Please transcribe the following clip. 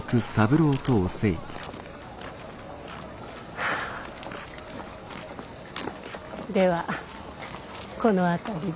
はあではこの辺りで。